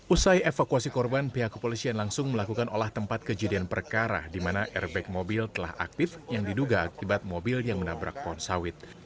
usai evakuasi korban pihak kepolisian langsung melakukan olah tempat kejadian perkara di mana airbag mobil telah aktif yang diduga akibat mobil yang menabrak pohon sawit